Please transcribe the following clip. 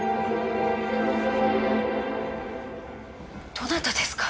どなたですか？